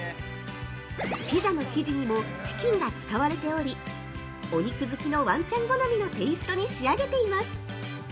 ピザの生地にもチキンが使われておりお肉好きのワンちゃん好みのテイストに仕上げています。